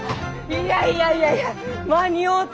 いやいやいやいや間に合うた！